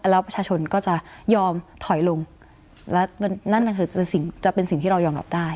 แล้วประชาชนก็จะยอมถอยลงและนั่นก็คือสิ่งจะเป็นสิ่งที่เรายอมรับได้